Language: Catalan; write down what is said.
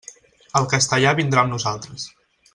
El castellà vindrà amb nosaltres.